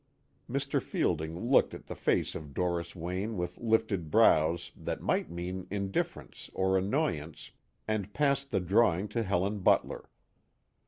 Mr. Fielding looked at the face of Doris Wayne with lifted brows that might mean indifference or annoyance, and passed the drawing to Helen Butler.